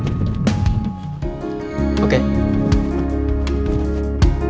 karena bapak akan pergi berlibur